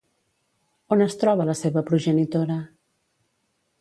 On es troba la seva progenitora?